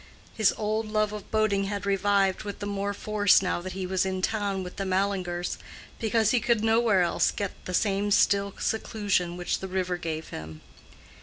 His old love of boating had revived with the more force now that he was in town with the Mallingers, because he could nowhere else get the same still seclusion which the river gave him.